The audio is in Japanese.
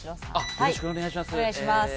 よろしくお願いします。